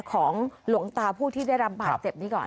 ของหลวงตารูปผู้ที่ได้รามบาดเจ็บนี้ก่อน